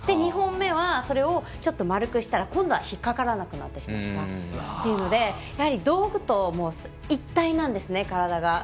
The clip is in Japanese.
２本目はそれをちょっと丸くしたら引っ掛からなくなってしまったというので道具と一体なんですね、体が。